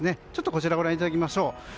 こちら、ご覧いただきましょう。